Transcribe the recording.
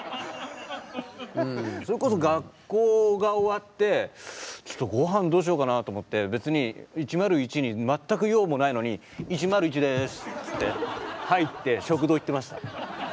それこそ学校が終わってごはんどうしようかなと思って別に１０１に全く用もないのに「１０１です」って入って食堂行ってました。